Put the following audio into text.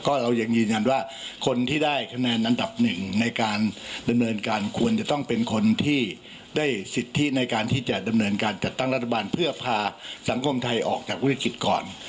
ก็เรายังยืนยันว่าคนที่ได้คะแนนอันดับหนึ่งในการดำเนินการควรจะต้องเป็นคนที่ได้สิทธิในการที่จะดำเนินการจัดตั้งรัฐบาลเพื่อพาสังคมไทยออกจากวิกฤตก่อน